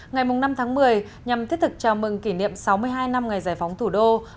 ngày năm tháng một mươi nhằm thiết thực chào mừng kỷ niệm sáu mươi hai năm ngày giải phóng thủ đô